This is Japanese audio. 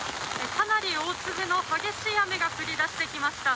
かなり大粒の激しい雨が降り出してきました。